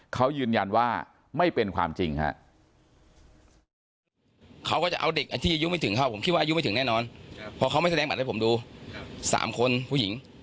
เขาก็จะเอาเด็กที่อายุไม่ถึงเข้าผมคิดว่าอายุไม่ถึงแน่นอนเพราะเขาไม่แสดงบัตรให้ผมดู๓คนผู้หญิง